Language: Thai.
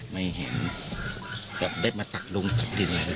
ไม่เห็นแบบได้มาตักลงกับดินอะไรมั้ย